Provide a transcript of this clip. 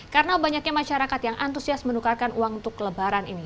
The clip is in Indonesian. karena banyaknya masyarakat yang antusias menukarkan uang untuk kelebaran ini